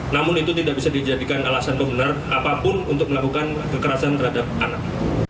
namun itu tidak bisa dijadikan alasan benar apapun untuk melakukan kekerasan terhadap anak